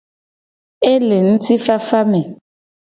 E le ngtifafa me.